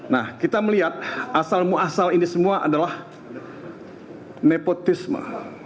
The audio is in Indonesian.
nah kita melihat asal muasal ini semua adalah nepotisme